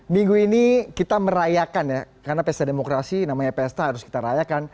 minggu ini kita merayakan ya karena pesta demokrasi namanya pesta harus kita rayakan